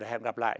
và hẹn gặp lại